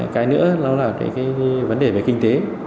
cái nữa là cái vấn đề về kinh tế